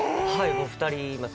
２人います。